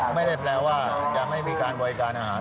ไม่ได้แปลว่าจะไม่มีการบริการอาหาร